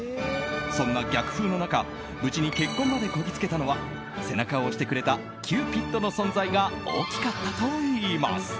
そんな逆風の中無事に結婚までこぎつけたのは背中を押してくれたキューピッドの存在が大きかったといいます。